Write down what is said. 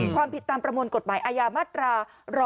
ความผิดตามประมวลกฎหมายอาญามาตรา๑๕